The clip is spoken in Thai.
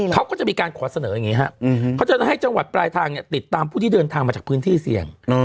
เขาก็จะมีการขอเสนออย่างนี้ครับเขาจะให้จังหวัดปลายทางติดตามผู้ที่เดินทางมาจากพื้นที่เสี่ยง